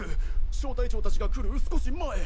小隊長達が来る少し前。